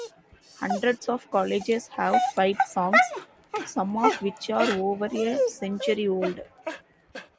Hundreds of colleges have fight songs, some of which are over a century old.